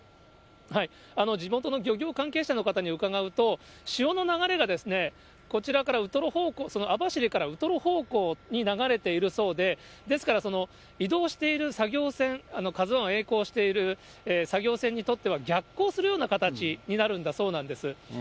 地元の漁業関係者の方に伺うと、潮の流れが、こちらからウトロ方向、網走からウトロ方向に流れているそうで、ですから、移動している作業船、ＫＡＺＵＩをえい航している作業船にとっては、逆行するような形になるんだそうです。